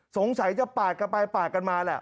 สงสัยจะปาดไปกันมาแหละ